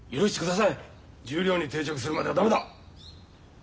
・十両に定着するまでは駄目だ！